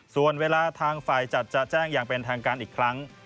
ส่วนเวลาทางฝ่ายจัดจะแจ้งอย่างเป็นทางการอีกครั้ง